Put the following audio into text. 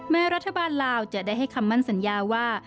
รัฐบาลลาวจะได้ให้คำมั่นสัญญาว่า